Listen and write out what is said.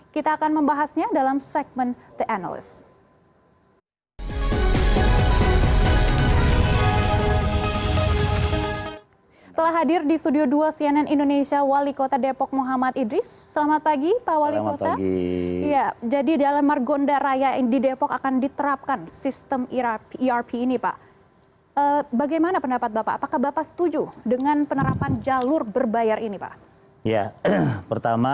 kita akan membahasnya dalam segmen the analyst